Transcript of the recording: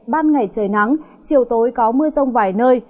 ban ngày trời nắng chiều tối có mưa rông vài nơi